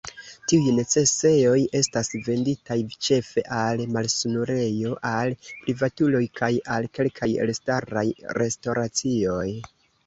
Tiuj necesejoj estas venditaj ĉefe al malsanulejoj, al privatuloj kaj al kelkaj elstaraj restoracioj.